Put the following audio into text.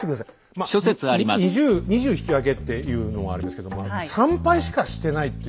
まあ２０引き分けっていうのはありますけど３敗しかしてないっていう。